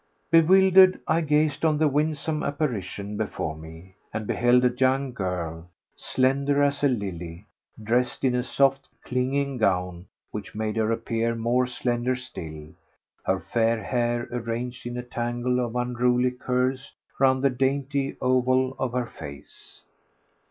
Bewildered, I gazed on the winsome apparition before me, and beheld a young girl, slender as a lily, dressed in a soft, clinging gown which made her appear more slender still, her fair hair arranged in a tangle of unruly curls round the dainty oval of her face.